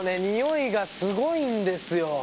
ニオイがすごいんですよ